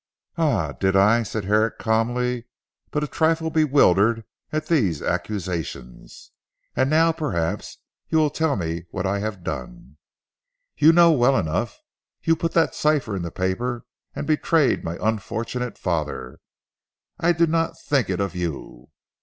"Ah! Did I?" said Herrick calmly but a trifle bewildered at these accusations. "And now perhaps you will tell me what I have done." "You know well enough. You put that cipher in the paper and betrayed my unfortunate father. I did not think it of you."